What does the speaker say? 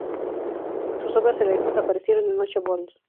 Sus "Obras selectas" aparecieron en ocho vols.